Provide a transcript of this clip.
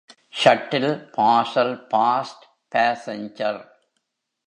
Shuttle, parcel fast passenger.